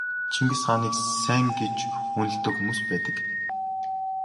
Чингис хааныг сайн гэж үнэлдэг хүмүүс ч байдаг.